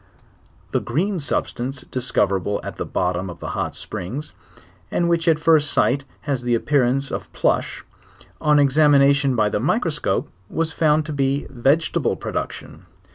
The green substance discoverable at the bottom of the hot springs, and which at firs t sight has the appearance of plush, on examination by the. microscope, was found to be a vegeta ble production.